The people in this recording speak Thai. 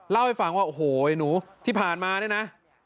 เล่าให้ฟังว่าโอ้โหไอ้หนูที่ผ่านมาเนี่ยนะ